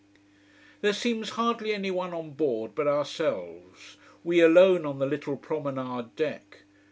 There seems hardly any one on board but ourselves: we alone on the little promenade deck.